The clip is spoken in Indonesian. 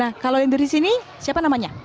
nah kalau yang dari sini siapa namanya